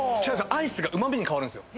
アイスがうま味に変わるんすよ。